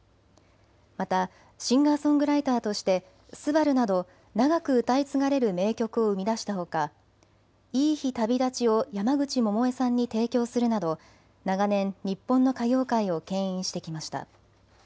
またシンガーソングライターとして昴など長く歌い継がれる名曲を生み出したほかいい日旅立ちを山口百恵さんに提供するなど、長年、日本の歌謡界をけん引してきました。